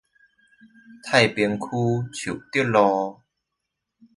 太平區樹德路